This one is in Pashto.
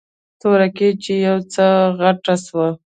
تورکى چې يو څه غټ سو.